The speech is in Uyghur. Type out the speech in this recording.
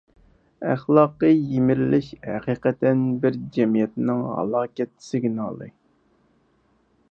ئەخلاقىي يىمىرىلىش ھەقىقەتەن بىر جەمئىيەتنىڭ ھالاكەت سىگنالى.